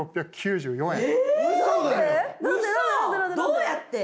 どうやって？